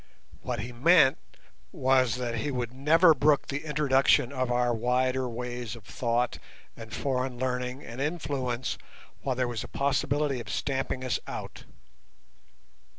What he meant was that he would never brook the introduction of our wider ways of thought and foreign learning and influence while there was a possibility of stamping us out.